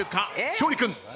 勝利君。